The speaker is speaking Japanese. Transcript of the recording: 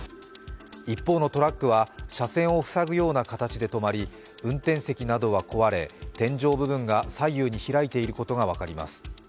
一方のトラックは車線を塞ぐような形で止まり、運転席などは壊れ、天井部分は左右に開いていることが分かります。